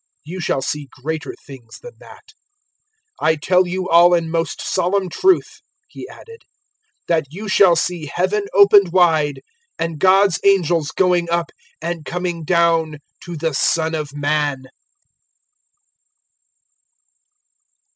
You shall see greater things than that." 001:051 "I tell you all in most solemn truth," He added, "that you shall see Heaven opened wide, and God's angels going up, and coming down to the Son of Man."